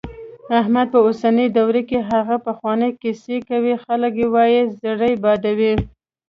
احمد په اوسني دور کې هغه پخوانۍ کیسې کوي، خلک وايي زړې بادوي.